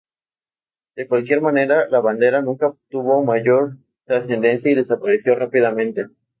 De cualquier manera, la bandera nunca obtuvo mayor trascendencia y desapareció rápidamente.